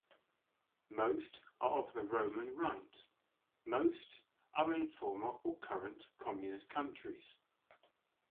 Most are of the Roman rite; most are in former or current communist countries.